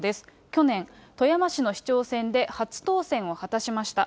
去年、富山市の市長選で初当選を果たしました。